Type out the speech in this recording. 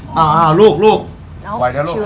กลางคืนนอนอยู่คุณก็ไปปลูกเลย